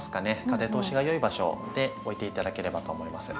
風通しがよい場所で置いて頂ければと思います。